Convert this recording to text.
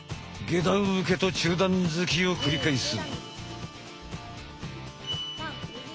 下段受けと中段突きを繰り返す。